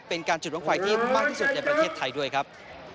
เป็นการจุดรถไฟที่มากที่สุดในประเทศไทยด้วยครับ